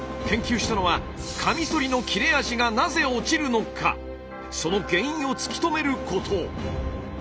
研究したのはカミソリの切れ味がなぜ落ちるのかその原因を突き止めること。